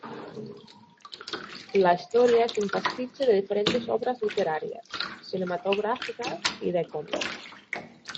La historia es un pastiche de diferentes obras literarias, cinematográficas y de cómic.